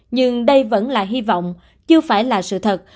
nhưng đây vẫn là hy vọng chưa phải là sự thật